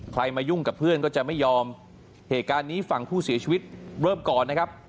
มายุ่งกับเพื่อนก็จะไม่ยอมเหตุการณ์นี้ฝั่งผู้เสียชีวิตเริ่มก่อนนะครับ